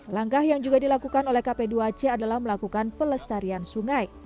langkah yang juga dilakukan oleh kp dua c adalah melakukan pelestarian sungai